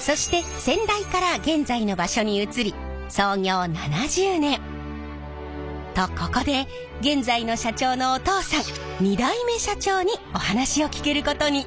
そして先代から現在の場所に移り創業７０年。とここで現在の社長のお父さん２代目社長にお話を聞けることに。